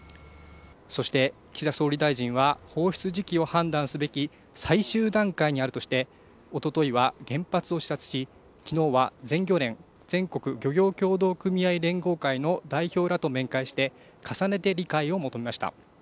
そして岸田総理大臣は放出時期を判断すべき最終段階にあるとしておとといは原発を視察しきのうは全漁連・全国漁業協同組合連合会の代表らと面会して重ねて理解を求めました。